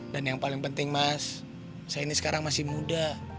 dan yang paling penting mas saya ini sekarang masih muda